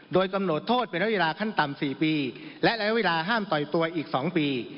โดยกำหนดโทษเป็นระยะเวลาขั้นต่ำ๔ปีและระยะเวลาห้ามต่อยตัวอีก๒ปี